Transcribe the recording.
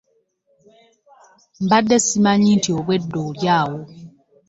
Mbadde simanyi nti obedda oli awo.